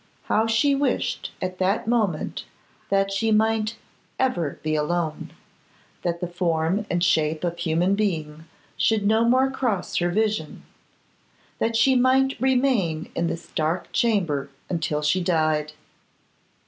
How she wished at that moment that she might ever be alone; that the form and shape of human being should no more cross her vision; that she might remain in this dark chamber until she died!